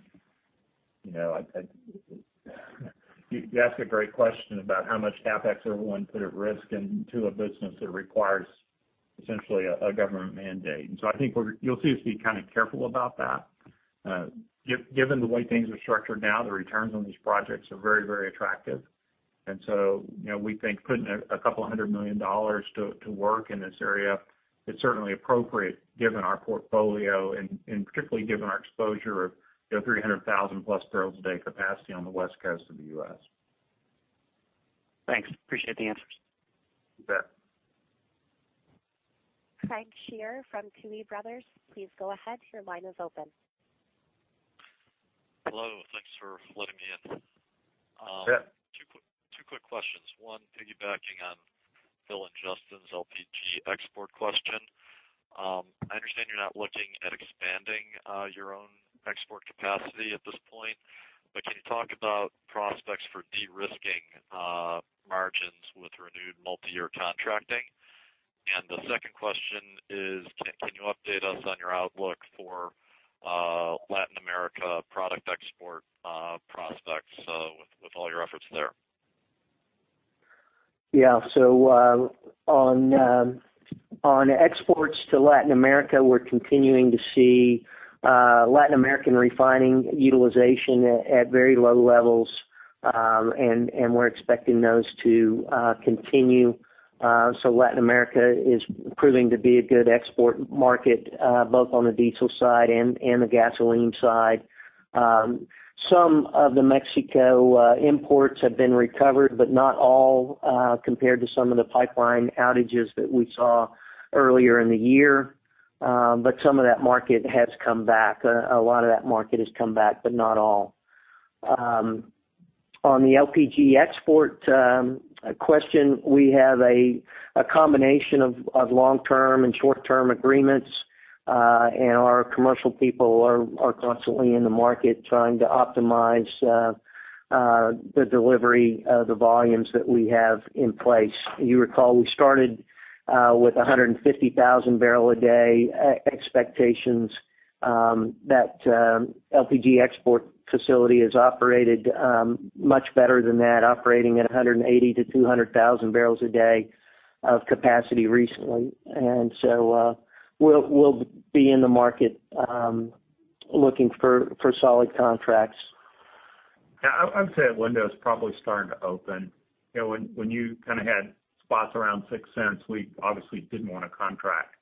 you ask a great question about how much CapEx are we willing to put at risk into a business that requires essentially a government mandate. I think you'll see us be kind of careful about that. Given the way things are structured now, the returns on these projects are very attractive. We think putting a couple hundred million dollars to work in this area, it's certainly appropriate given our portfolio and particularly given our exposure of 300,000-plus barrels a day capacity on the West Coast of the U.S. Thanks. Appreciate the answers. You bet. Craig Shere from Tuohy Brothers, please go ahead. Your line is open. Hello, thanks for letting me in. Yeah. Two quick questions. One, piggybacking on Phil and Justin's LPG export question. I understand you're not looking at expanding your own export capacity at this point, can you talk about prospects for de-risking margins with renewed multi-year contracting? The second question is, can you update us on your outlook for Latin America product export prospects with all your efforts there? On exports to Latin America, we're continuing to see Latin American refining utilization at very low levels. We're expecting those to continue. Latin America is proving to be a good export market, both on the diesel side and the gasoline side. Some of the Mexico imports have been recovered, not all compared to some of the pipeline outages that we saw earlier in the year. Some of that market has come back. A lot of that market has come back, not all. On the LPG export question, we have a combination of long-term and short-term agreements. Our commercial people are constantly in the market trying to optimize the delivery of the volumes that we have in place. You recall, we started with 150,000-barrel-a-day expectations. That LPG export facility has operated much better than that, operating at 180,000-200,000 barrels a day of capacity recently. We'll be in the market looking for solid contracts. Yeah, I would say that window's probably starting to open. When you kind of had spots around $0.06, we obviously didn't want to contract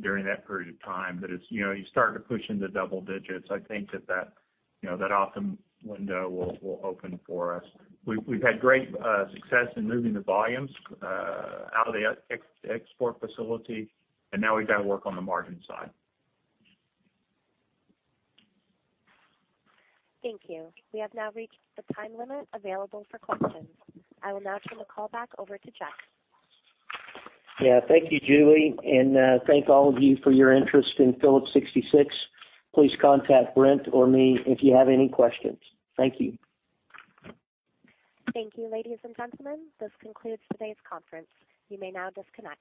during that period of time. As you start to push into double digits, I think that that optimum window will open for us. We've had great success in moving the volumes out of the export facility, and now we've got to work on the margin side. Thank you. We have now reached the time limit available for questions. I will now turn the call back over to Jeff. Yeah. Thank you, Julie, thank all of you for your interest in Phillips 66. Please contact Brent or me if you have any questions. Thank you. Thank you, ladies and gentlemen. This concludes today's conference. You may now disconnect.